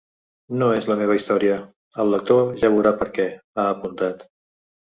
“No és la meva història, el lector ja veurà per què”, ha apuntat.